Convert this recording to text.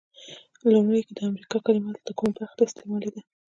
لومړیو کې د امریکا کلمه د کومې برخې ته استعمالیده؟